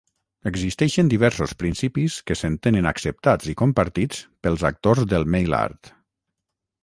Existeixen diversos principis que s'entenen acceptats i compartits pels actors del mail art.